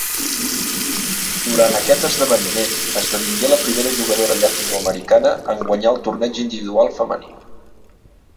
Durant aquest esdeveniment, esdevingué la primera jugadora Llatinoamericana en guanyar el torneig individual femení.